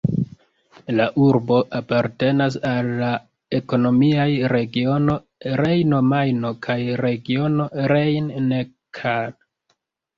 La urbo apartenas al la ekonomiaj regiono Rejno-Majno kaj regiono Rhein-Neckar.